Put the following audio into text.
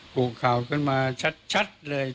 ผูกข่าวขึ้นมาชัดเลย